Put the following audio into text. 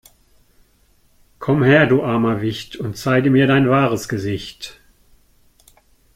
Komm her, du armer Wicht, und zeige mir dein wahres Gesicht!